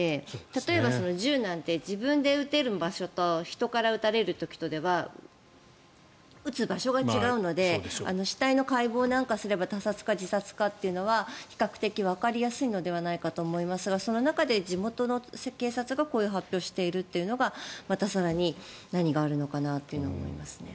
例えば、銃なんて自分で撃てる場所と人から撃たれる時とでは撃つ場所が違うので死体の解剖なんかをすれば他殺か自殺かっていうのは比較的わかりやすいのではないかと思いますがその中で、地元の警察がこういう発表をしてるというのがまた更に何があるのかなと思いますね。